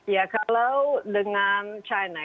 ya kalau dengan china